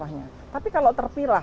hingga keluar desa